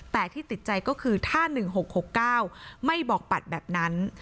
แต่ที่ติดใจก็คือถ้า๑๖๖๙ไม่บอกปัดแบบนั้น